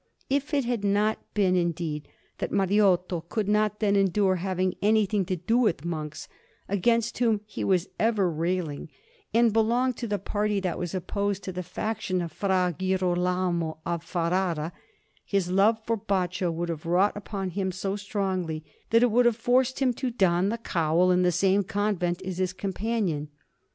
If it had not been, indeed, that Mariotto could not then endure having anything to do with monks, against whom he was ever railing, and belonged to the party that was opposed to the faction of Fra Girolamo of Ferrara, his love for Baccio would have wrought upon him so strongly, that it would have forced him to don the cowl in the same convent as his companion.